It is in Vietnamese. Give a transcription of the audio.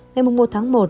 ngày một tháng một